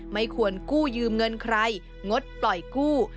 ไม่ควรกู้ยืมเงินใครงดปล่อยกู้